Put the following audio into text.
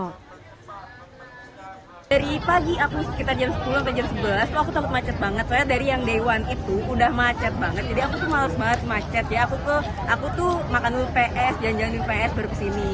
aku tuh makan dulu ps jalan jalan dulu ps baru kesini